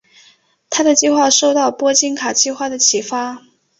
他的计划受到波金卡计划的启发。